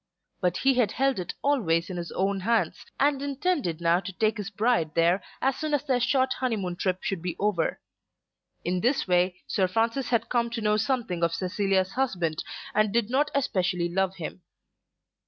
But he had held it always in his own hands, and intended now to take his bride there as soon as their short honeymoon trip should be over. In this way Sir Francis had come to know something of Cecilia's husband, and did not especially love him.